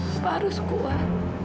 papa harus kuat